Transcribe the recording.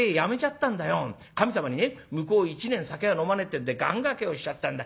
神様にね向こう１年酒は飲まねえってんで願がけをしちゃったんだ。